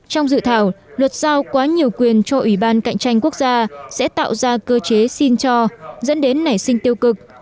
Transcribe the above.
trong dự thảo luật giao quá nhiều quyền cho ủy ban cạnh tranh quốc gia sẽ tạo ra cơ chế xin cho dẫn đến nảy sinh tiêu cực